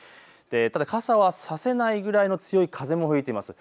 ただ傘は差せないぐらいの強い風も吹いています。